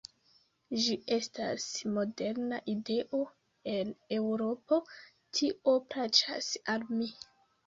Ĝi estas moderna ideo el Eŭropo; tio plaĉas al mi.